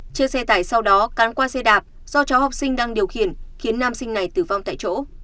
chiếc xe tải sau đó cán qua xe đạp do cháu học sinh đang điều khiển khiến nam sinh này tử vong tại chỗ